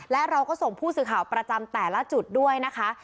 และเราก็ส่งผู้สื่อข่าวประจำแต่ละจุดด้วยนะคะ